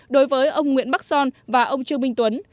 đối với ông nguyễn bắc son và ông trương minh tuấn